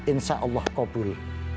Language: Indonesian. insya allah kabul